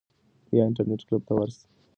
یا انټرنیټ کلب ته ورشئ.